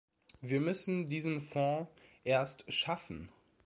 Wir müssen diesen Fonds erst schaffen.